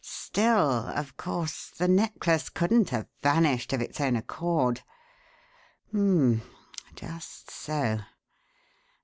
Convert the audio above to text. Still, of course, the necklace couldn't have vanished of its own accord. Hum m m! Just so!